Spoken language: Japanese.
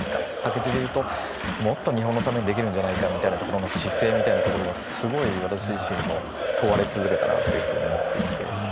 武市でいうともっと日本のためにできるんじゃないかみたいなところの姿勢みたいなところはすごい私自身も問われ続けたなっていうふうに思っていて。